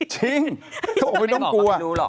จริงเขาบอกไม่ต้องกลัว